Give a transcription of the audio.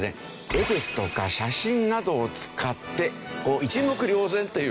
絵ですとか写真などを使ってこう一目瞭然という形でですね